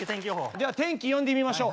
では天気呼んでみましょう。